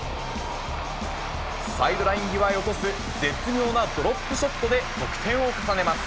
サイドライン際へ落とす絶妙なドロップショットで得点を重ねます。